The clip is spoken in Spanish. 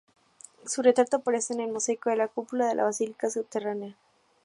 Su retrato aparece en el mosaico de la cúpula de la basílica subterránea.